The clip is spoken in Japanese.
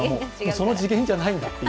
その次元じゃないんだと。